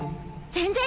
全然。